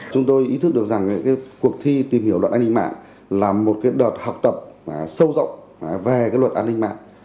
chúng tôi ý thức được rằng cuộc thi tìm hiểu luật an ninh mạng là một đợt học tập sâu rộng về luật an ninh mạng